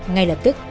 ngay lập tức